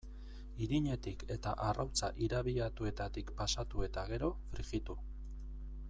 Irinetik eta arrautza irabiatuetatik pasatu eta gero, frijitu.